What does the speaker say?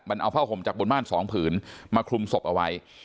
มันเอาผ้าห่มจากบนบ้านสองผืนมาคลุมศพเอาไว้